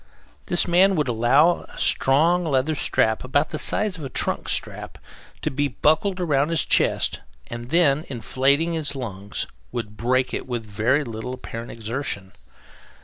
This man would allow a strong leather strap, about the size of a trunk strap, to be buckled round his chest; and then, inflating his lungs, would break it with very little apparent exertion.